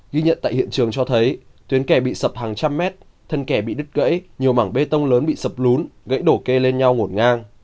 ghi nhận tại hiện trường cho thấy tuyến kè bị sập hàng trăm mét thân kè bị đứt gãy nhiều mảng bê tông lớn bị sập lún gãy đổ cây lên nhau ngổn ngang